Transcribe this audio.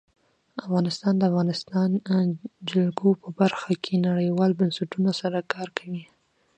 افغانستان د د افغانستان جلکو په برخه کې نړیوالو بنسټونو سره کار کوي.